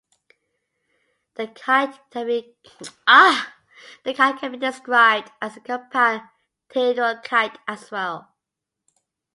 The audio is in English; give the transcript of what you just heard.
The kite can be described as a compound dihedral kite as well.